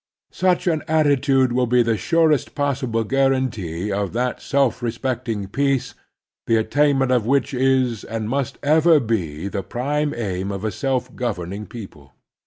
Such an attitude will be the surest possible guar anty of that self respecting peace, the attainment of which is and must ever be the prime aim of a self governing people.